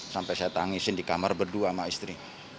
sampai saya tangisin di kamar berdua sama istri